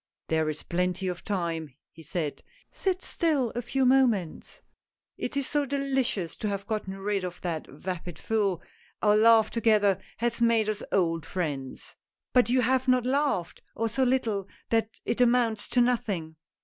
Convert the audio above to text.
" There is plenty of time !" he said, " sit still a few moments. It is so delicious to have gotten rid of that vapid fool — our laugh together has made us old friends !" "But you have not laughed, or so little that it amounts to nothing."